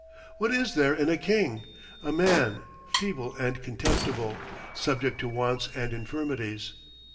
What is there in a king? A man, feeble and contemptible, subject to wants and infirmities.